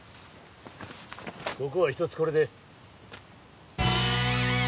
ここはひとつこれで。